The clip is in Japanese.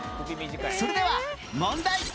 それでは問題